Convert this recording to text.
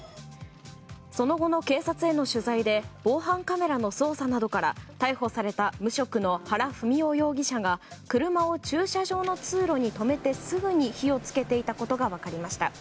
その後の警察への取材で防犯カメラの捜査などから逮捕された無職の原文雄容疑者が車を駐車場の通路に止めてすぐに火を付けていたことが分かりました。